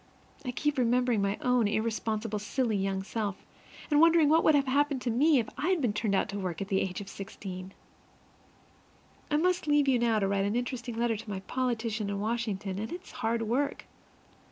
I keep remembering my own irresponsible silly young self, and wondering what would have happened to me had I been turned out to work at the age of sixteen! I must leave you now to write an interesting letter to my politician in Washington, and it's hard work.